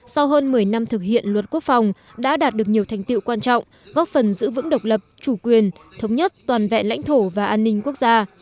sau hơn một mươi năm thực hiện luật quốc phòng đã đạt được nhiều thành tiệu quan trọng góp phần giữ vững độc lập chủ quyền thống nhất toàn vẹn lãnh thổ và an ninh quốc gia